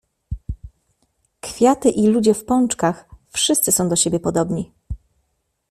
"Kwiaty i ludzie w pączkach wszyscy są do siebie podobni."